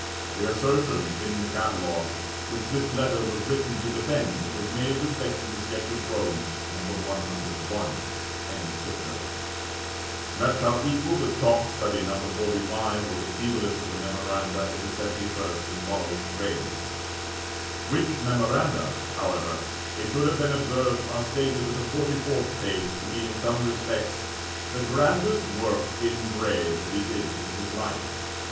The assertion in the Catalogue which this letter was written to defend, was made respecting the sketch of Rome, No. 101.] that shall equal the chalk study No. 45, or the feeblest of the memoranda in the 71st and following frames;' which memoranda, however, it should have been observed, are stated at the 44th page to be in some respects 'the grandest work in grey that he did in his life.'